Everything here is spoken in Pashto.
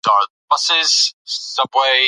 کثافات په ویاله کې مه اچوئ.